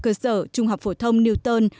cơ sở trung học phổ thông newton